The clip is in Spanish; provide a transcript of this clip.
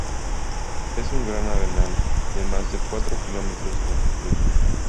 Es un gran arenal de más de cuatro kilómetros de longitud.